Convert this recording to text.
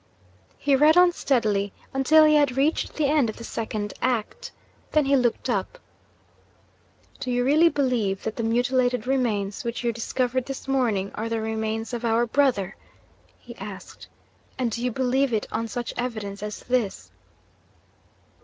He read on steadily, until he had reached the end of the Second Act. Then he looked up. 'Do you really believe that the mutilated remains which you discovered this morning are the remains of our brother?' he asked. 'And do you believe it on such evidence as this?'